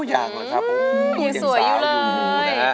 อยากเลยครับสวยอยู่เลย